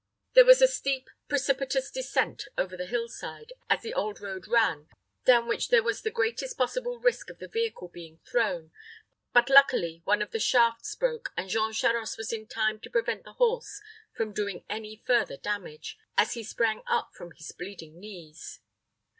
There was a steep, precipitous descent over the hillside, as the old road ran, down which there was the greatest possible risk of the vehicle being thrown; but, luckily, one of the shafts broke, and Jean Charost was in time to prevent the horse from doing any further damage, as he sprang up from his bleeding knees.